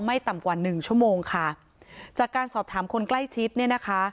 ต่ำกว่าหนึ่งชั่วโมงค่ะจากการสอบถามคนใกล้ชิดเนี่ยนะคะ